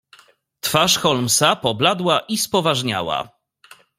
"Twarz Holmesa pobladła i spoważniała."